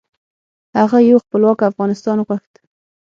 هغه یو خپلواک افغانستان غوښت .